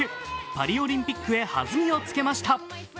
パリオリンピックへ弾みをつけました。